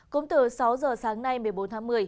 cũng từ sáu giờ sáng nay một mươi bốn tháng một mươi